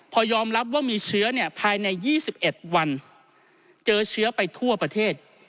พอยอมรับว่ามีเชื้อภายใน๒๑วันเจอเชื้อไปทั่วประเทศ